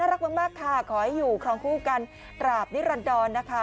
รักมากค่ะขอให้อยู่ครองคู่กันตราบนิรันดรนะคะ